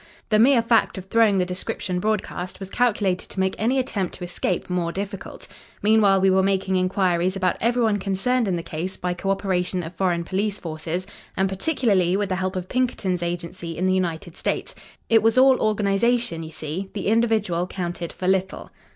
The mere fact of throwing the description broadcast, was calculated to make any attempt to escape more difficult. Meanwhile, we were making inquiries about every one concerned in the case by co operation of foreign police forces, and particularly with the help of Pinkerton's agency in the United States. It was all organisation, you see the individual counted for little.